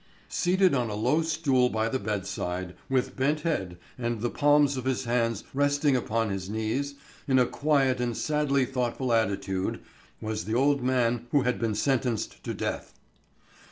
Seated on a low stool by the bedside, with bent head, and the palms of his hands resting upon his knees, in a quiet and sadly thoughtful attitude, was the old man who had been sentenced to death.